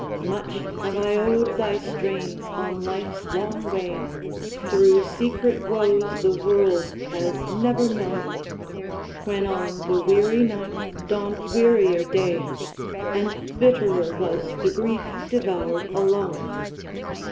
Much have I owed thy strains on life's long way, Through secret woes the world has never known, When on the weary night dawned wearier day, And bitterer was the grief devoured alone.